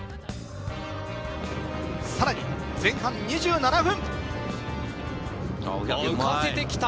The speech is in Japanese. さらに前半２７分。